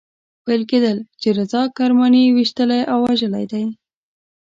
ویل کېدل چې رضا کرماني ویشتلی او وژلی دی.